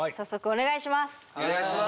お願いします！